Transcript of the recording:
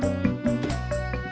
aku mau berbual